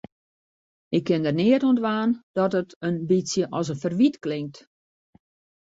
Ik kin der neat oan dwaan dat it in bytsje as in ferwyt klinkt.